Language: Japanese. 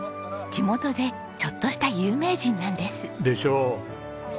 地元でちょっとした有名人なんです。でしょう！